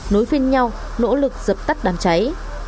nối phiên nhau nỗ lực dập tắt đám cháy